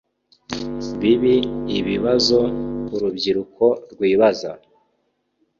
bibi Ibibazo urubyiruko rwibaza